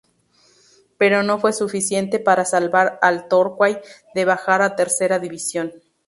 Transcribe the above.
Pero no fue suficiente para salvar al Torquay de bajar a tercera división.